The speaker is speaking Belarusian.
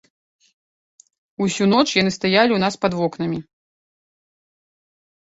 Усю ноч яны стаялі ў нас пад вокнамі.